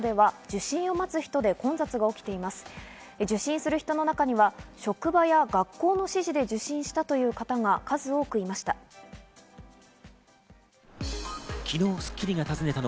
受診する人の中には職場や学校の指示で受診したという方が数多くいました。